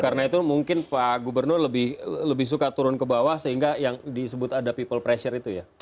karena itu mungkin pak gubernur lebih suka turun ke bawah sehingga yang disebut ada people pressure itu ya